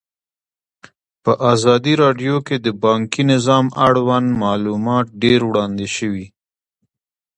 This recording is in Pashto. په ازادي راډیو کې د بانکي نظام اړوند معلومات ډېر وړاندې شوي.